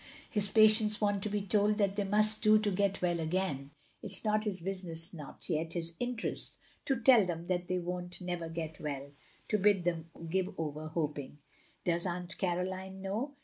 His patients want to be told what they mxist do to get well again. It 's not his btisiness nor yet his interests to tell them that they won't never get well — to bid them give over hoping —"" Does Atmt Caroline know?